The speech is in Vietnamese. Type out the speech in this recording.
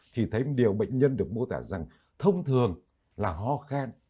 thì thấy điều bệnh nhân được mô tả rằng thông thường là ho khen